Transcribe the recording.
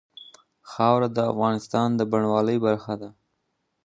خاوره د افغانستان د بڼوالۍ برخه ده.